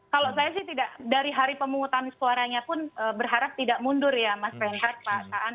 kalau saya sih tidak dari hari pemungutan suaranya pun berharap tidak mundur ya mas renggak pak saan dan pak ilham